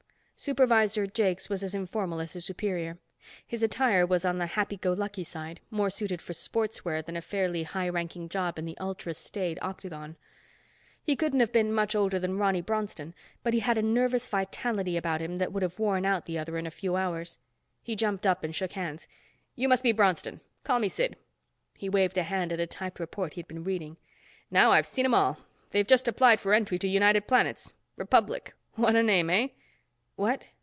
Supervisor Jakes was as informal as his superior. His attire was on the happy go lucky side, more suited for sports wear than a fairly high ranking job in the ultra staid Octagon. He couldn't have been much older than Ronny Bronston but he had a nervous vitality about him that would have worn out the other in a few hours. He jumped up and shook hands. "You must be Bronston. Call me Sid." He waved a hand at a typed report he'd been reading. "Now I've seen them all. They've just applied for entry to United Planets. Republic. What a name, eh?" "What?"